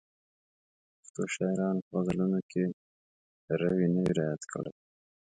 پښتو شاعرانو په غزلونو کې روي نه وي رعایت کړی.